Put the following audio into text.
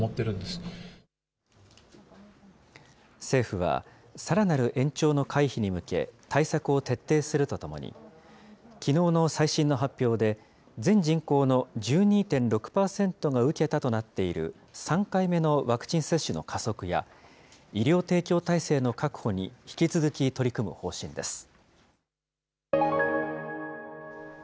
政府は、さらなる延長の回避に向け、対策を徹底するとともに、きのうの最新の発表で、全人口の１２．６％が受けたとなっている３回目のワクチン接種の加速や、医療提供体制の確保に引き続き取り組む方針です。